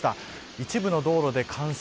一部の道路で冠水。